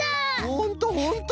ほんとほんと！